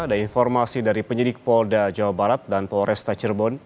ada informasi dari penyidik polda jawa barat dan polresta cirebon